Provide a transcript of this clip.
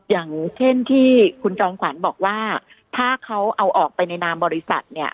อย่างเช่นที่คุณจอมขวัญบอกว่าถ้าเขาเอาออกไปในนามบริษัทเนี่ย